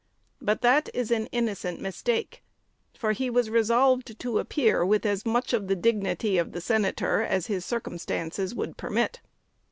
But that is an innocent mistake; for he was resolved to appear with as much of the dignity of the senator as his circumstances would permit.